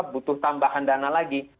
butuh tambahan dana lagi